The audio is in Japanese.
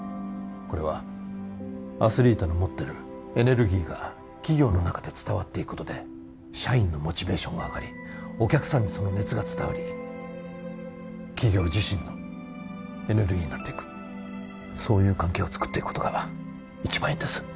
これはアスリートの持ってるエネルギーが企業の中で伝わっていくことで社員のモチベーションが上がりお客さんにその熱が伝わり企業自身のエネルギーになっていくそういう関係をつくっていくことが一番いいんです